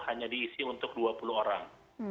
hanya diisi untuk dua puluh orang